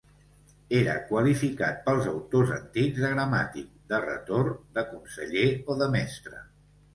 Era qualificat pels autors antics, de gramàtic, de retor, de conseller o de mestre.